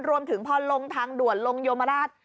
รวมถึงพอลงทางด่วนลงโยมราช